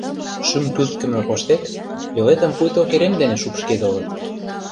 Шӱм кӱлткымӧ поштек йолетым пуйто керем дене шупшкедылыт.